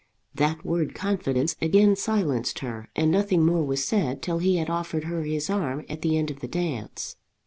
That word confidence again silenced her, and nothing more was said till he had offered her his arm at the end of the dance.